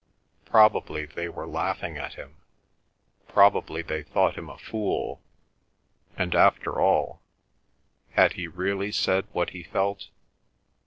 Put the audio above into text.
Probably they were laughing at him, probably they thought him a fool, and, after all, had he really said what he felt?